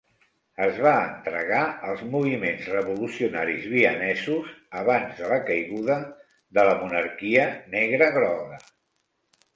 Es va entregar als moviments revolucionaris vienesos abans de la caiguda de la monarquia negre-groga.